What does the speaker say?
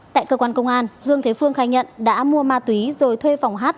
tại cơ quan công an dương thế phương khai nhận đã mua ma túy rồi thuê phòng hát